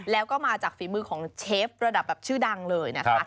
แล้วก็มาจากฝีมือของเชฟระดับแบบชื่อดังเลยนะคะ